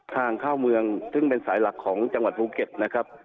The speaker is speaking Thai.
ทางเข้าเมืองซึ่งเป็นสายหลักของจังหวัดภูเก็ตนะครับ